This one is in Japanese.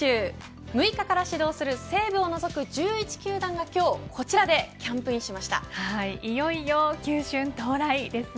６日から始動する西武を除く１１球団が今日いよいよ、球春到来ですね。